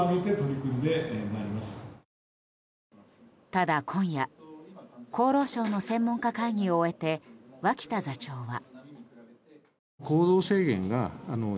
ただ今夜厚労省の専門家会議を終えて脇田座長は。